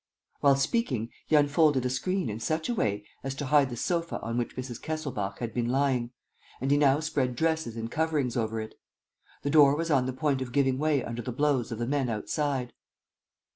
While speaking, he unfolded a screen in such a way as to hide the sofa on which Mrs. Kesselbach had been lying; and he now spread dresses and coverings over it. The door was on the point of giving way under the blows of the men outside.